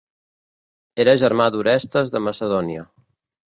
Era germà d'Orestes de Macedònia.